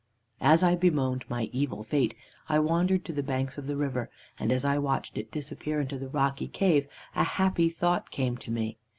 "As I bemoaned my evil fate I wandered to the banks of the river, and as I watched it disappear into the rocky cave a happy thought came to me.